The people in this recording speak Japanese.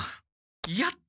やった！